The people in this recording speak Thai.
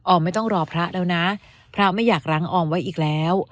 ไม่ต้องรอพระแล้วนะพระไม่อยากรั้งออมไว้อีกแล้ว